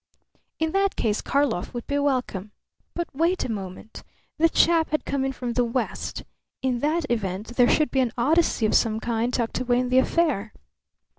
In that case Karlov would be welcome. But wait a moment. The chap had come in from the west. In that event there should be an Odyssey of some kind tucked away in the affair.